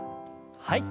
はい。